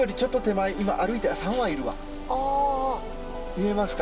見えますか？